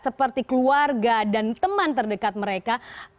seperti keluarga dan teman terdekat mereka